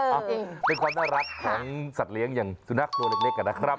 เอาเป็นความน่ารักของสัตว์เลี้ยงอย่างสุนัขตัวเล็กนะครับ